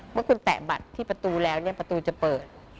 เมื่อคุณแตะบัตรที่ประตูแล้วเนี่ยประตูจะเปิด